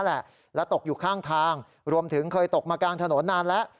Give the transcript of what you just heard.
และตกอยู่ข้างทางรวมถึงเคยตกมากลางถนนนานแล้ว